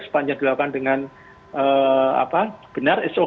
sepanjang dilakukan dengan benar